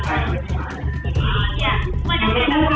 สวัสดีครับวันนี้เราจะกลับมาเมื่อไหร่